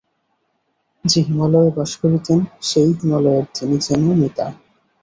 যে হিমালয়ে বাস করিতেন সেই হিমালয়ের তিনি যেন মিতা।